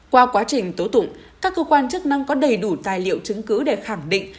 qua quá trình tố tụng các cơ quan chức năng có đầy đủ tài liệu chứng cứ để khẳng định